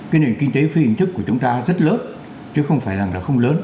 cái nền kinh tế phi hình thức của chúng ta rất lớn chứ không phải rằng là không lớn